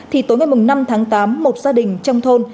thì tối ngày năm tháng tám một gia đình trong thôn